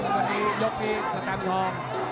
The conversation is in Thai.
วันนี้ยกที่สตามทอง